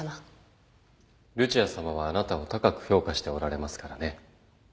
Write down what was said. ルチアさまはあなたを高く評価しておられますからね。